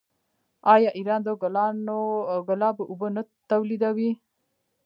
آیا ایران د ګلابو اوبه نه تولیدوي؟